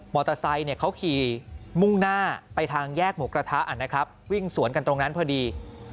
ไซค์เขาขี่มุ่งหน้าไปทางแยกหมูกระทะนะครับวิ่งสวนกันตรงนั้นพอดี